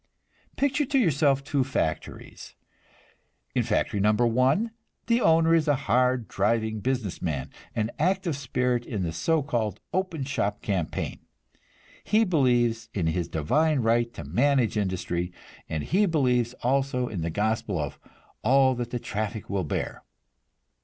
Picture to yourself two factories. In factory number one the owner is a hard driving business man, an active spirit in the so called "open shop" campaign. He believes in his divine right to manage industry, and he believes also in the gospel of "all that the traffic will bear."